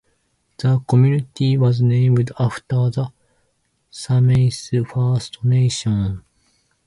The community was named after the Sumas First Nation.